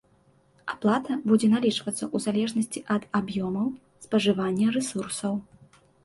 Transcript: Аплата будзе налічвацца ў залежнасці ад аб'ёмаў спажывання рэсурсаў.